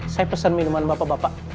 saya pesan minuman bapak bapak